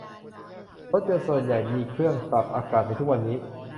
รถยนต์ส่วนใหญ่มีเครื่องปรับอากาศในทุกวันนี้